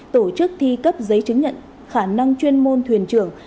tổ chức thi cấp giấy chứng nhận khả năng chuyên môn thuyền trưởng